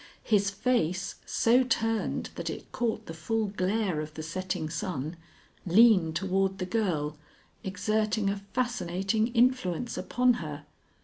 His face, so turned that it caught the full glare of the setting sun, leaned toward the girl, exerting a fascinating influence upon her.